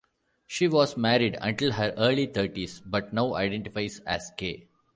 She was married until her early thirties, but now identifies as gay.